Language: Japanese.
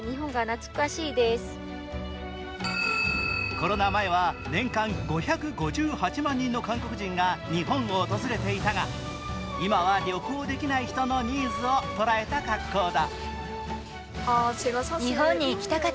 コロナ前は年間５５８万人の韓国人が日本を訪れていたが今は旅行できない人のニーズを捉えた格好だ。